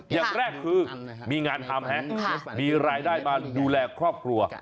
อย่างแรกคือมีงานทำมีรายได้มาดูแลครอบครัว